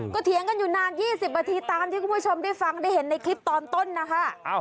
ก็เถียงกันอยู่นาน๒๐นาทีตามที่คุณผู้ชมได้ฟังได้เห็นในคลิปตอนต้นนะคะ